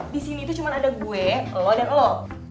disini tuh cuma ada gue lo dan lo